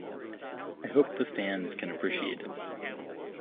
I hope the fans can appreciate it.